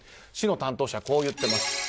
市の担当者はこう言っています。